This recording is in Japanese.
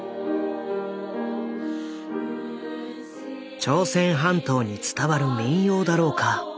朝鮮半島に伝わる民謡だろうか？